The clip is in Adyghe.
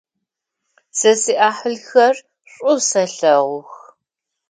Сэ сиӏахьылхэр шӏу сэлъэгъух.